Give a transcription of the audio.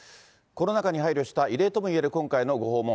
コロナ禍に配慮した異例ともいえる今回のご訪問。